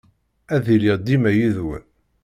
Ad iliɣ dima yid-wen.